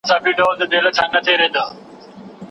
دا یوه شپه مي ژوندون دی چي یو زه یو مي ساقي وای